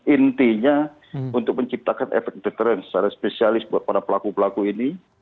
intinya untuk menciptakan efek deteren secara spesialis buat para pelaku pelaku ini